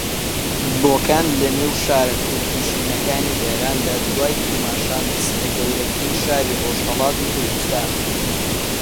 بۆکان لە نێو شارە کوردنشینەکانی ئێراندا دوای کرماشان و سنە گەورەترین شاری ڕۆژھەڵاتی کوردستانە